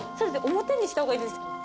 表にした方がいいです。